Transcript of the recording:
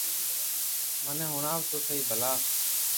مني ھڻاو تو سھي ڀلا